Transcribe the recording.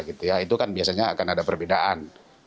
itu kan biasanya akan ada perbedaan